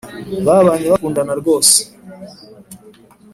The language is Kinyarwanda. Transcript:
babanye bakundana rwose